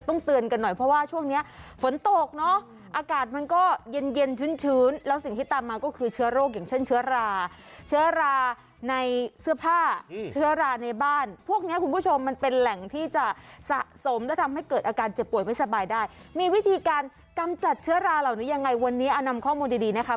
เตือนกันหน่อยเพราะว่าช่วงนี้ฝนตกเนอะอากาศมันก็เย็นเย็นชื้นชื้นแล้วสิ่งที่ตามมาก็คือเชื้อโรคอย่างเช่นเชื้อราเชื้อราในเสื้อผ้าเชื้อราในบ้านพวกเนี้ยคุณผู้ชมมันเป็นแหล่งที่จะสะสมและทำให้เกิดอาการเจ็บป่วยไม่สบายได้มีวิธีการกำจัดเชื้อราเหล่านี้ยังไงวันนี้เอานำข้อมูลดีดีนะคะ